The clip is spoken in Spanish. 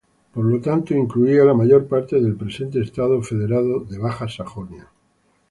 Por lo tanto incluía la mayor parte del presente estado federado de Baja Sajonia.